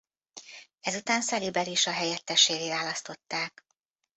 Ezután Sali Berisha helyettesévé választották.